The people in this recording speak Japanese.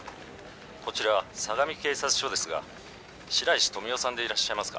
こちら相模警察署ですが白石富生さんでいらっしゃいますか？